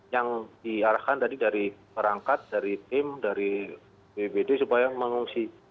yang diarahkan tadi dari perangkat dari tim dari bbd supaya mengungsi